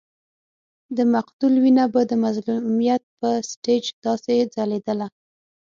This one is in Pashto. د مقتول وینه به د مظلومیت پر سټېج داسې ځلېدله.